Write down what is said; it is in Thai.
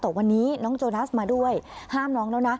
แต่วันนี้น้องโจนัสมาด้วยห้ามน้องแล้วนะ